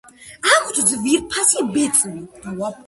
აქვთ ძვირფასი ბეწვი.